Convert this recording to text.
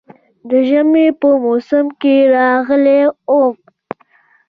د ژمي په موسم کې راغلی وم.